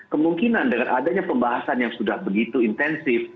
kemungkinan dengan adanya pembahasan yang sudah begitu intensif